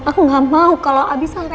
aku gak mau kalau abi sampai